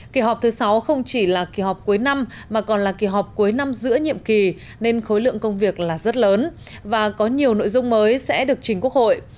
kỳ họp thứ sáu không chỉ là kỳ họp cuối năm mà còn là kỳ họp cuối năm giữa nhiệm kỳ nên khối lượng công việc là rất lớn và có nhiều nội dung mới sẽ được trình quốc hội